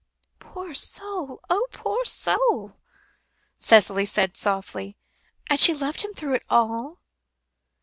"Poor soul! oh, poor soul!" Cicely said softly. "And she loved him through it all?"